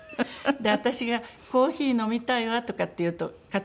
で私が「コーヒー飲みたいわ」とかって言うと買ってくれるんですよ。